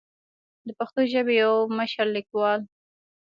د پښتو ژبې يو مشر ليکوال